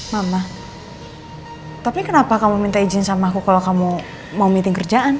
mama tapi kenapa kamu minta izin sama aku kalau kamu mau meeting kerjaan